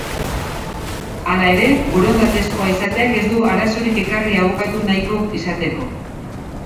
Hala ere, borondatezkoa izateak ez du arazorik ekarri abokatu nahiko izateko.